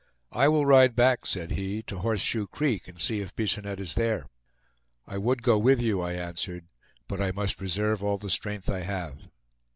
"I will ride back," said he, "to Horseshoe Creek, and see if Bisonette is there." "I would go with you," I answered, "but I must reserve all the strength I have."